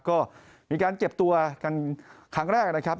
ก็มีการเจ็บตัวกันครั้งแรกนะครับ